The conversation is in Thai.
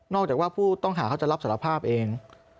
จากว่าผู้ต้องหาเขาจะรับสารภาพเอง